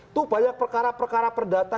itu banyak perkara perkara perdata